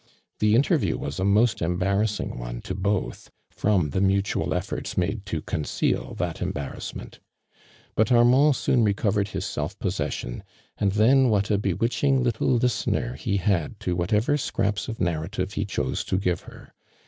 The interview was a most embarrassing one to both,, fi om the mutual ettbrts made to conceal that embar rassment, but Armand soon recovered his self possession and then what a bewitching little listener he had to whatever scraps of narrative he chose to give her.